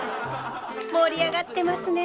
盛り上がってますね。